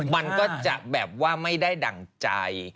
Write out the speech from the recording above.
มันก็จะแบบว่าไม่ได้ดั่งใจ